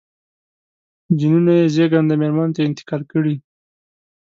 جینونه یې زېږنده مېرمنو ته انتقال کړي.